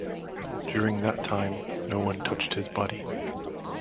During that time, no one touched his body.